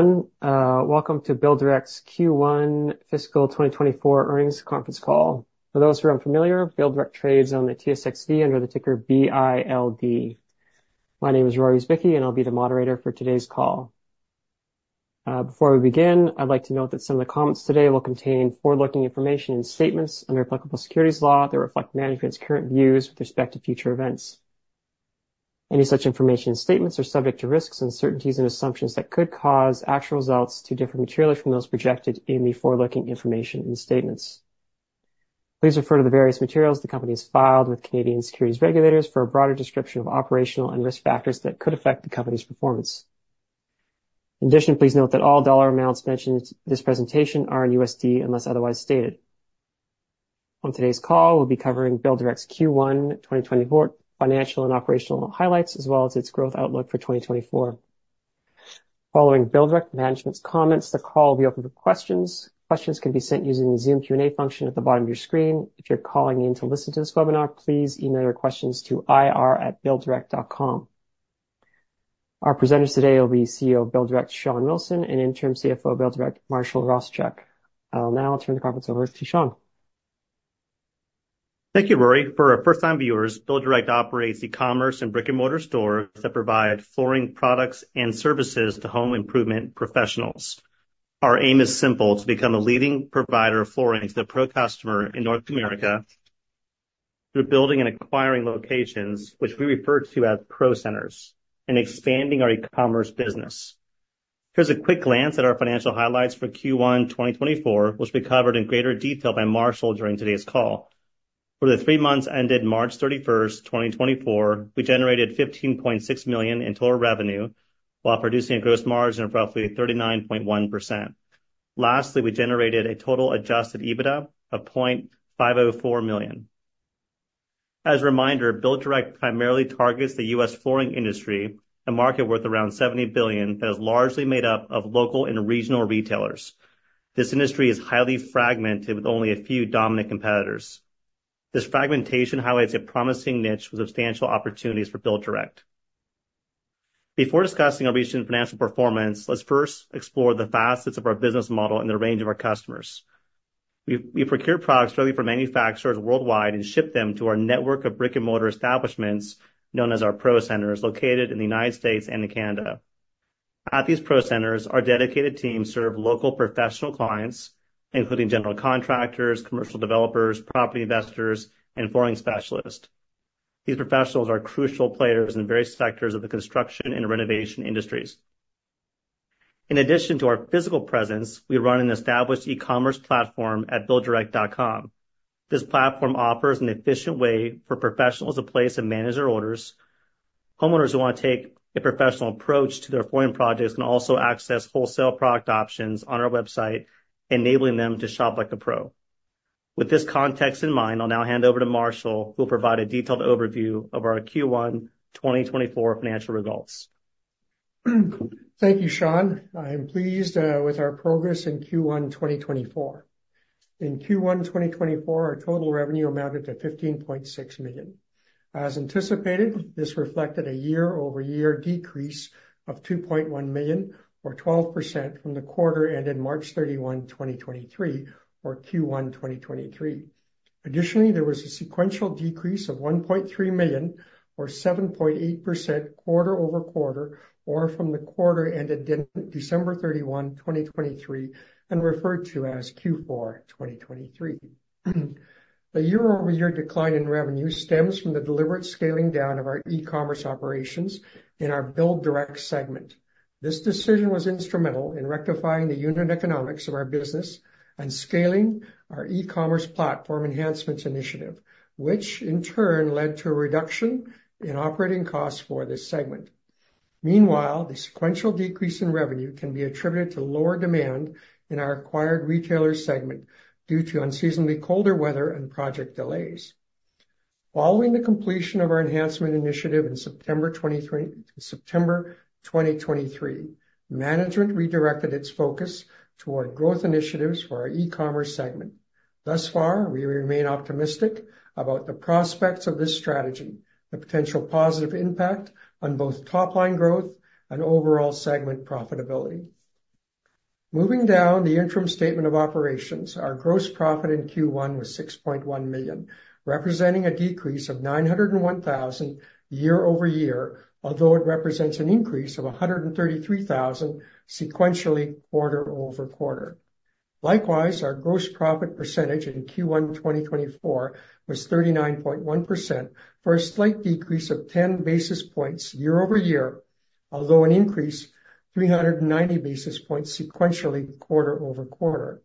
Hello, everyone. Welcome to BuildDirect's Q1 Fiscal 2024 Earnings Conference Call. For those who are unfamiliar, BuildDirect trades on the TSXV under the ticker BILD. My name is Rory Zwicky, and I'll be the moderator for today's call. Before we begin, I'd like to note that some of the comments today will contain forward-looking information and statements under applicable securities law that reflect management's current views with respect to future events. Any such information statements are subject to risks, uncertainties, and assumptions that could cause actual results to differ materially from those projected in the forward-looking information and statements. Please refer to the various materials the company has filed with Canadian securities regulators for a broader description of operational and risk factors that could affect the company's performance. In addition, please note that all dollar amounts mentioned in this presentation are in USD, unless otherwise stated. On today's call, we'll be covering BuildDirect's Q1 2024 financial and operational highlights, as well as its growth outlook for 2024. Following BuildDirect management's comments, the call will be open for questions. Questions can be sent using the Zoom Q&A function at the bottom of your screen. If you're calling in to listen to this webinar, please email your questions to ir@builddirect.com. Our presenters today will be CEO of BuildDirect, Shawn Wilson, and Interim CFO of BuildDirect, Marshall Rosichuk. I'll now turn the conference over to Shawn. Thank you, Rory. For our first-time viewers, BuildDirect operates e-commerce and brick-and-mortar stores that provide flooring products and services to home improvement professionals. Our aim is simple, to become a leading provider of flooring to the pro customer in North America through building and acquiring locations, which we refer to as Pro Centers, and expanding our e-commerce business. Here's a quick glance at our financial highlights for Q1 2024, which will be covered in greater detail by Marshall during today's call. For the three months ended March 31st, 2024, we generated $15.6 million in total revenue while producing a gross margin of roughly 39.1%. Lastly, we generated a total Adjusted EBITDA of $0.504 million. As a reminder, BuildDirect primarily targets the U.S. flooring industry, a market worth around $70 billion, that is largely made up of local and regional retailers. This industry is highly fragmented, with only a few dominant competitors. This fragmentation highlights a promising niche with substantial opportunities for BuildDirect. Before discussing our recent financial performance, let's first explore the facets of our business model and the range of our customers. We procure products directly from manufacturers worldwide and ship them to our network of brick-and-mortar establishments, known as our Pro Centers, located in the United States and Canada. At these Pro Centers, our dedicated teams serve local professional clients, including general contractors, commercial developers, property investors, and flooring specialists. These professionals are crucial players in various sectors of the construction and renovation industries. In addition to our physical presence, we run an established e-commerce platform at builddirect.com. This platform offers an efficient way for professionals to place and manage their orders. Homeowners who want to take a professional approach to their flooring projects can also access wholesale product options on our website, enabling them to shop like a pro. With this context in mind, I'll now hand over to Marshall, who will provide a detailed overview of our Q1 2024 financial results. Thank you, Shawn. I am pleased with our progress in Q1 2024. In Q1 2024, our total revenue amounted to $15.6 million. As anticipated, this reflected a year-over-year decrease of $2.1 million, or 12%, from the quarter ending March 31, 2023, or Q1 2023. Additionally, there was a sequential decrease of $1.3 million, or 7.8%, quarter over quarter, or from the quarter ending December 31, 2023, and referred to as Q4 2023. The year-over-year decline in revenue stems from the deliberate scaling down of our e-commerce operations in our BuildDirect segment. This decision was instrumental in rectifying the unit economics of our business and scaling our e-commerce platform enhancements initiative, which in turn led to a reduction in operating costs for this segment. Meanwhile, the sequential decrease in revenue can be attributed to lower demand in our acquired retailers segment due to unseasonably colder weather and project delays. Following the completion of our enhancement initiative in September 2023, management redirected its focus toward growth initiatives for our e-commerce segment. Thus far, we remain optimistic about the prospects of this strategy, the potential positive impact on both top-line growth and overall segment profitability. Moving down the interim statement of operations, our gross profit in Q1 was $6.1 million, representing a decrease of $901,000 year-over-year, although it represents an increase of $133,000 sequentially quarter-over-quarter. Likewise, our gross profit percentage in Q1 2024 was 39.1%, for a slight decrease of 10 basis points year-over-year, although an increase 390 basis points sequentially quarter-over-quarter.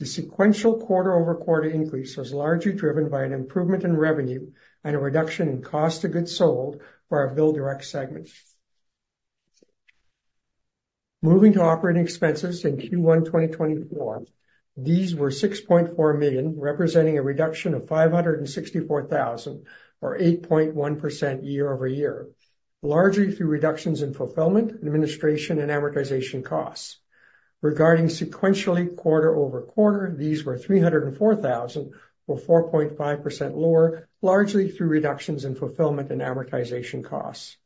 The sequential quarter-over-quarter increase was largely driven by an improvement in revenue and a reduction in cost of goods sold for our BuildDirect segment. Moving to operating expenses in Q1 2024, these were $6.4 million, representing a reduction of $564,000, or 8.1% year-over-year, largely through reductions in fulfillment, administration, and amortization costs. Regarding sequentially, quarter-over-quarter, these were $304,000, or 4.5% lower, largely through reductions in fulfillment and amortization costs.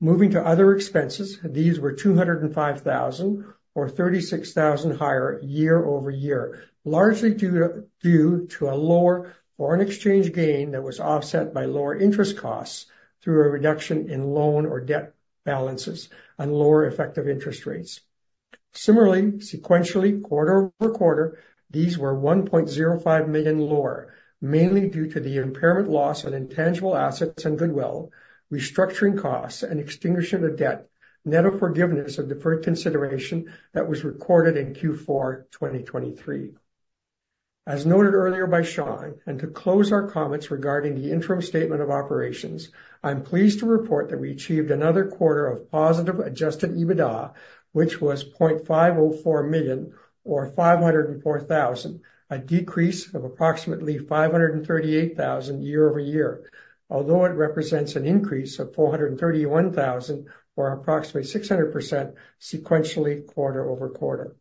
Moving to other expenses, these were $205,000, or $36,000 higher year-over-year, largely due to a lower foreign exchange gain that was offset by lower interest costs through a reduction in loan or debt balances and lower effective interest rates. Similarly, sequentially, quarter-over-quarter, these were $1.05 million lower, mainly due to the impairment loss on intangible assets and goodwill, restructuring costs, and extinguishment of debt, net of forgiveness of deferred consideration that was recorded in Q4 2023. As noted earlier by Shawn, and to close our comments regarding the interim statement of operations, I'm pleased to report that we achieved another quarter of positive Adjusted EBITDA, which was $0.504 million, or $504,000, a decrease of approximately $538,000 year-over-year, although it represents an increase of $431,000, or approximately 600% sequentially quarter-over-quarter.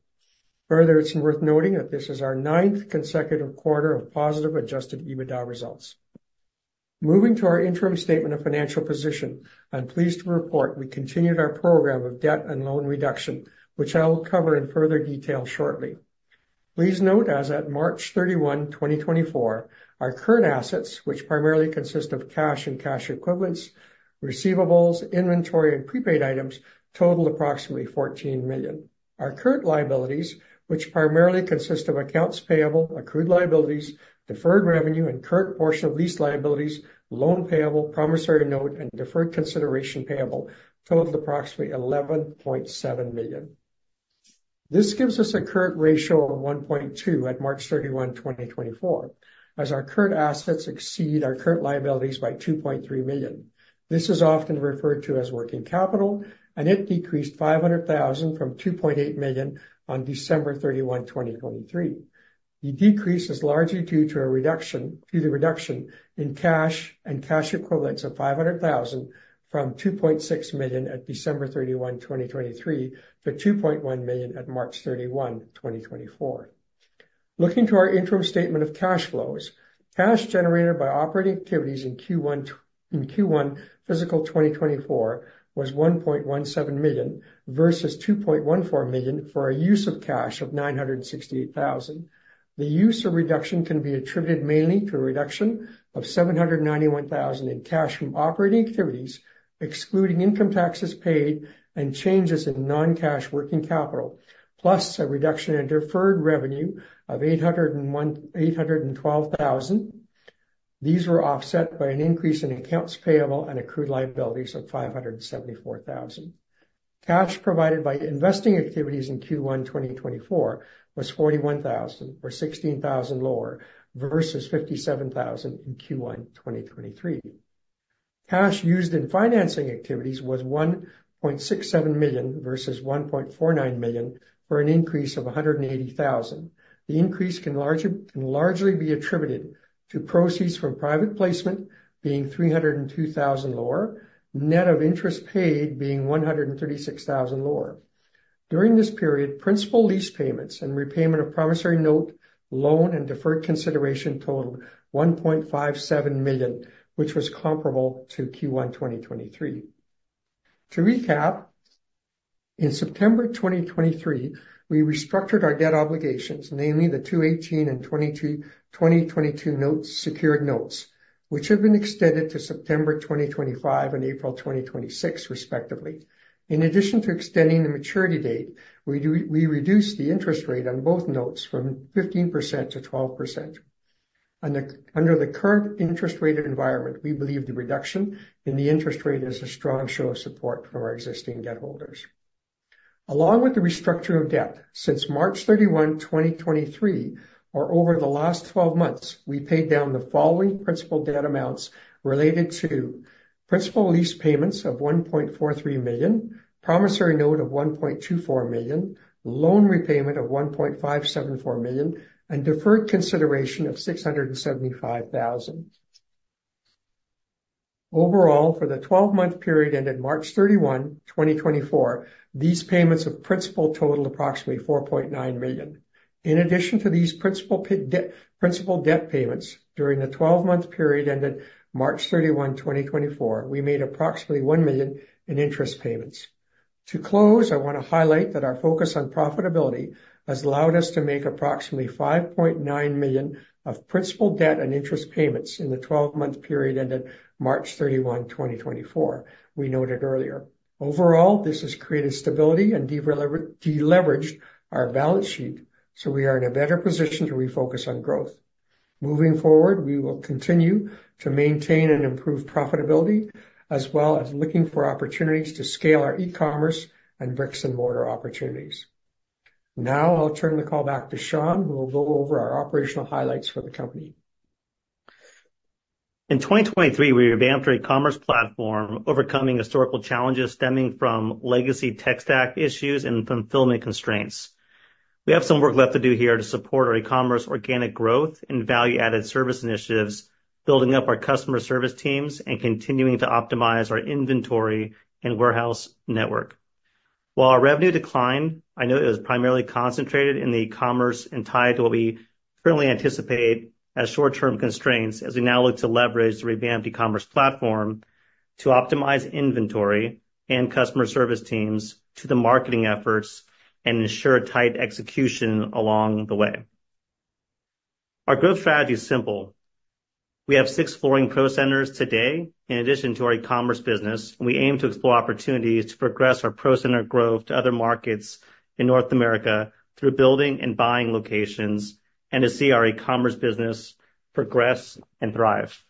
Further, it's worth noting that this is our ninth consecutive quarter of positive Adjusted EBITDA results. Moving to our interim statement of financial position, I'm pleased to report we continued our program of debt and loan reduction, which I will cover in further detail shortly. Please note, as at March 31, 2024, our current assets, which primarily consist of cash and cash equivalents, receivables, inventory, and prepaid items, total approximately $14 million. Our current liabilities, which primarily consist of accounts payable, accrued liabilities, deferred revenue, and current portion of lease liabilities, loan payable, promissory note, and deferred consideration payable, totaled approximately $11.7 million. This gives us a current ratio of 1.2 at March 31, 2024, as our current assets exceed our current liabilities by $2.3 million. This is often referred to as working capital, and it decreased $500 thousand from $2.8 million on December 31, 2023. The decrease is largely due to the reduction in cash and cash equivalents of $500 thousand from $2.6 million at December 31, 2023, to $2.1 million at March 31, 2024. Looking to our interim statement of cash flows, cash generated by operating activities in Q1, fiscal 2024, was $1.17 million, versus $2.14 million, for a use of cash of $968,000. The use or reduction can be attributed mainly to a reduction of $791,000 in cash from operating activities, excluding income taxes paid and changes in non-cash working capital, plus a reduction in deferred revenue of $812,000. These were offset by an increase in accounts payable and accrued liabilities of $574,000. Cash provided by investing activities in Q1 2024 was $41,000, or $16,000 lower, versus $57,000 in Q1 2023. Cash used in financing activities was $1.67 million versus $1.49 million, for an increase of $180,000. The increase can largely be attributed to proceeds from private placement being $302,000 lower, net of interest paid being $136,000 lower. During this period, principal lease payments and repayment of promissory note, loan, and deferred consideration totaled $1.57 million, which was comparable to Q1 2023. To recap, in September 2023, we restructured our debt obligations, namely the 2018 and 2022 notes, secured notes, which have been extended to September 2025 and April 2026, respectively. In addition to extending the maturity date, we reduced the interest rate on both notes from 15%-12%. Under the current interest rate environment, we believe the reduction in the interest rate is a strong show of support from our existing debt holders. Along with the restructuring of debt, since March 31, 2023, or over the last 12 months, we paid down the following principal debt amounts related to principal lease payments of $1.43 million, promissory note of $1.24 million, loan repayment of $1.574 million, and deferred consideration of $675,000. Overall, for the 12-month period ended March 31, 2024, these payments of principal total approximately $4.9 million. In addition to these principal debt payments, during the 12-month period ended March 31, 2024, we made approximately $1 million in interest payments. To close, I want to highlight that our focus on profitability has allowed us to make approximately $5.9 million of principal debt and interest payments in the 12-month period ended March 31, 2024, we noted earlier. Overall, this has created stability and deleveraged our balance sheet, so we are in a better position to refocus on growth. Moving forward, we will continue to maintain and improve profitability, as well as looking for opportunities to scale our e-commerce and brick-and-mortar opportunities. Now, I'll turn the call back to Shawn, who will go over our operational highlights for the company. In 2023, we revamped our e-commerce platform, overcoming historical challenges stemming from legacy tech stack issues and fulfillment constraints. We have some work left to do here to support our e-commerce organic growth and value-added service initiatives, building up our customer service teams, and continuing to optimize our inventory and warehouse network. While our revenue declined, I know it was primarily concentrated in e-commerce and tied to what we currently anticipate as short-term constraints as we now look to leverage the revamped e-commerce platform to optimize inventory and customer service teams to the marketing efforts and ensure tight execution along the way. Our growth strategy is simple: we have six flooring Pro Centers today, in addition to our e-commerce business. We aim to explore opportunities to progress our Pro Center growth to other markets in North America through building and buying locations, and to see our e-commerce business progress and thrive.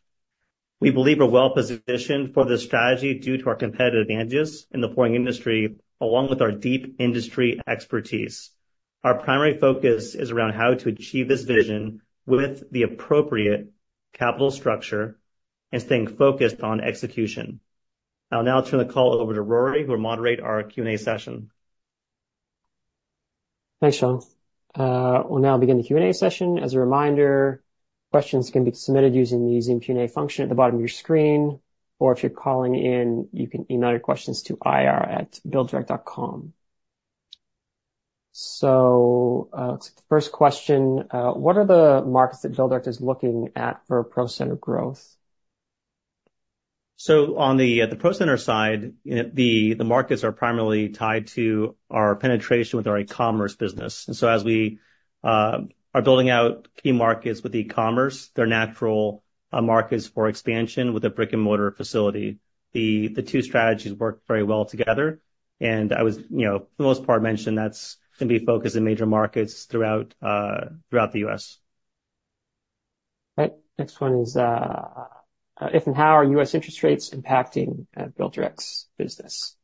We believe we're well-positioned for this strategy due to our competitive advantages in the flooring industry, along with our deep industry expertise. Our primary focus is around how to achieve this vision with the appropriate capital structure and staying focused on execution. I'll now turn the call over to Rory, who will moderate our Q&A session. Thanks, Shawn. We'll now begin the Q&A session. As a reminder, questions can be submitted using the Q&A function at the bottom of your screen, or if you're calling in, you can email your questions to ir@builddirect.com. So, the first question, what are the markets that BuildDirect is looking at for pro center growth? So on the, the pro center side, you know, the, the markets are primarily tied to our penetration with our e-commerce business. And so as we, are building out key markets with e-commerce, they're natural, markets for expansion with a brick-and-mortar facility. The, the two strategies work very well together, and I was, you know, for the most part, mentioned that's gonna be focused in major markets throughout, throughout the U.S.. Right. Next one is, if and how are U.S. interest rates impacting, BuildDirect's business?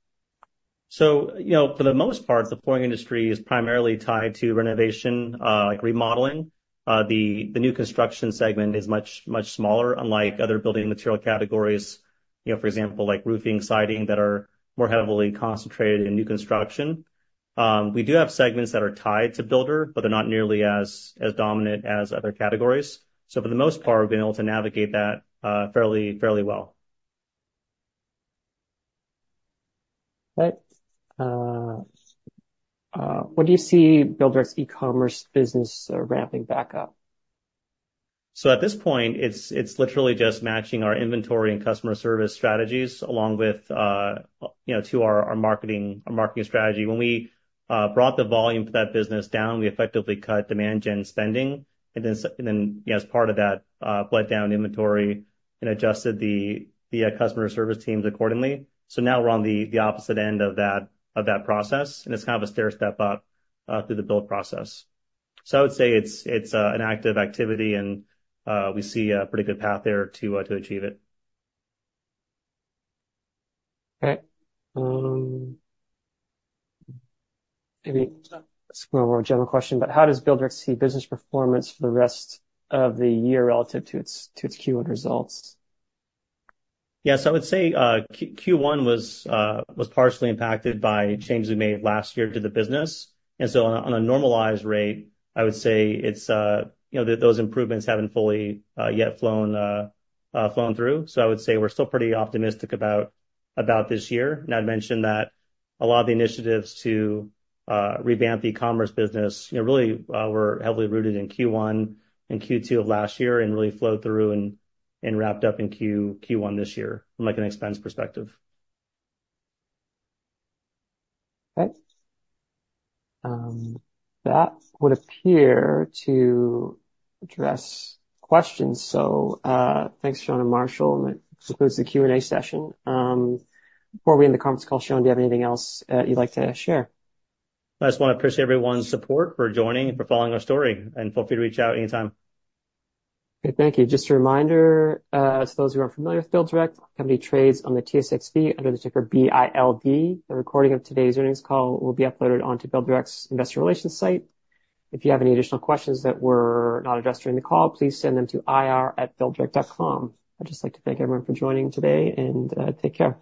So, you know, for the most part, the flooring industry is primarily tied to renovation, like remodeling. The new construction segment is much, much smaller, unlike other building material categories, you know, for example, like roofing, siding, that are more heavily concentrated in new construction. We do have segments that are tied to builder, but they're not nearly as dominant as other categories. So for the most part, we've been able to navigate that, fairly well. Right. When do you see BuildDirect's e-commerce business ramping back up? So at this point, it's literally just matching our inventory and customer service strategies along with, you know, to our marketing strategy. When we brought the volume for that business down, we effectively cut Demand Gen spending, and then, as part of that, bled down inventory and adjusted the customer service teams accordingly. So now we're on the opposite end of that process, and it's kind of a stair step up through the build process. So I would say it's an active activity, and we see a pretty good path there to achieve it. Okay. Maybe a more general question, but how does BuildDirect see business performance for the rest of the year relative to its, to its Q1 results? Yes, I would say Q1 was partially impacted by changes we made last year to the business. And so on a normalized rate, I would say it's you know that those improvements haven't fully yet flown through. So I would say we're still pretty optimistic about this year. And I'd mentioned that a lot of the initiatives to revamp the e-commerce business, you know really were heavily rooted in Q1 and Q2 of last year and really flowed through and wrapped up in Q1 this year, from like an expense perspective. Okay. That would appear to address questions. So, thanks, Shawn and Marshall. That concludes the Q&A session. Before we end the conference call, Shawn, do you have anything else you'd like to share? I just want to appreciate everyone's support for joining and for following our story, and feel free to reach out anytime. Okay, thank you. Just a reminder to those who aren't familiar with BuildDirect, the company trades on the TSXV under the ticker BILD. The recording of today's earnings call will be uploaded onto BuildDirect's investor relations site. If you have any additional questions that were not addressed during the call, please send them to ir@builddirect.com. I'd just like to thank everyone for joining today, and take care.